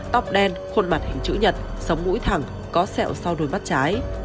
tóc đen khuôn mặt hình chữ nhật sống mũi thẳng có sẹo sau đôi mắt trái